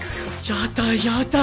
やだやだ。